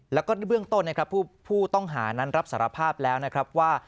แล้วก็เบื้องต้นนะครับผู้ต้องหานั้นรับสารภาพแล้วนะครับว่า